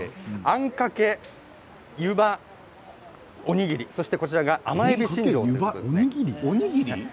あんかけ湯葉おにぎり、そしてこちらが甘えびしんじょです。